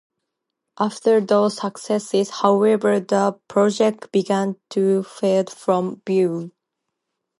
After those successes, however, the Project began to fade from view.